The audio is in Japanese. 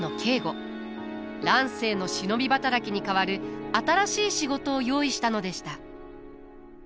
乱世の忍び働きに代わる新しい仕事を用意したのでした。